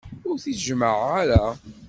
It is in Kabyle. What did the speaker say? Ur t-id-jemmeε ara.